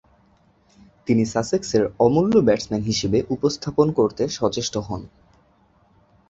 তিনি সাসেক্সের অমূল্য ব্যাটসম্যান হিসেবে উপস্থাপন করতে সচেষ্ট হন।